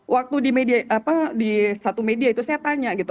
waktu di satu media itu saya tanya gitu